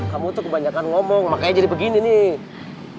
kamu tuh kebanyakan ngomong makanya jadi begini nih